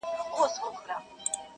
سپوږمۍ د خدای روی مي دروړی!.